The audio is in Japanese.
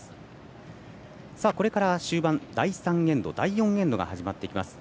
これから終盤、第３エンド第４エンドが始まります。